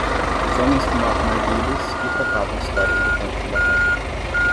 Os homens fumavam narguilés e trocavam histórias do campo de batalha.